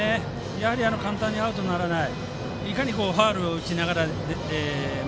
やはり簡単にアウトにならない。